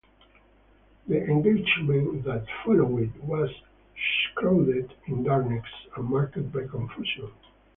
The engagement that followed was shrouded in darkness and marked by confusion.